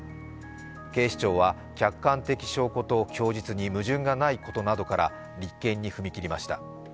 警視庁は客観的証拠と供述に矛盾がないことから立件に踏み切りました。